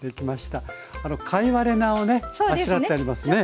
貝割れ菜をねあしらってありますね。